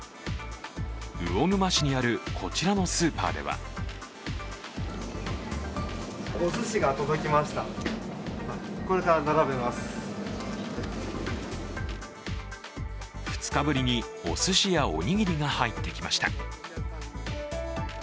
魚沼市にある、こちらのスーパーでは２日ぶりに、おすしやおにぎりが入ってきました。